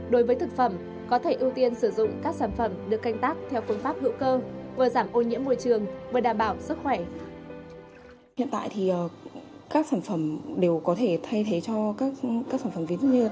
đối với thực phẩm có thể ưu tiên sử dụng các sản phẩm được canh tác theo phương pháp hữu cơ